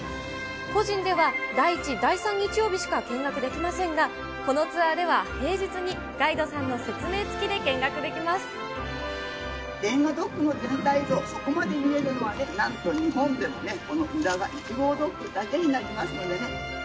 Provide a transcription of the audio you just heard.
個人では第１、第３日曜日しか見学できませんが、このツアーでは、平日にガイドさレンガドックの全体像、底まで見えるのは、なんと日本でもね、この浦賀１号ドックだけになりますのでね。